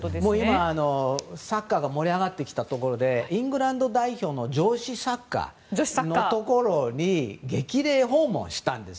今、サッカーが盛り上がってきたところでイングランド代表の女子サッカーのところに激励訪問したんです。